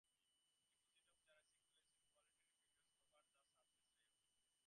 Depositions of the Jurassic, Paleogene, Quaternary and other periods cover the surface of rayon.